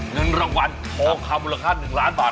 เงินรางวัลทองคำมูลค่า๑ล้านบาท